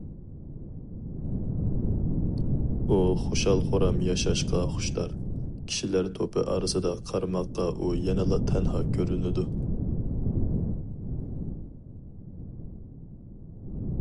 ئۇ خۇشال- خۇرام ياشاشقا خۇشتار، كىشىلەر توپى ئارىسىدا قارىماققا ئۇ يەنىلا تەنھا كۆرۈنىدۇ.